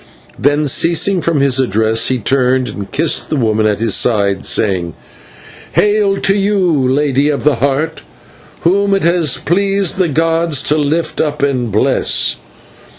Then, ceasing from his address, he turned and kissed the woman at his side, saying: "Hail! to you, Lady of the Heart, whom it has pleased the gods to lift up and bless.